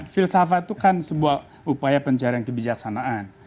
filsafat itu kan sebuah upaya pencarian kebijaksanaan